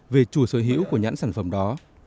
về chủ sở hữu của nhãn sản phẩm đó